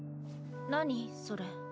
何それ。